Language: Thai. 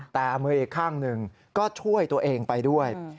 แต่มืออีกข้างหนึ่งก็ช่วยตัวเองไปด้วย